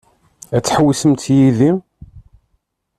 Ad tḥewwsemt yid-i?